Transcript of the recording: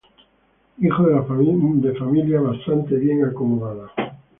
Hijo de familia bastante bien acomodada.